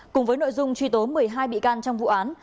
cùng với nội dung truy tố một mươi hai bị can trong vụ án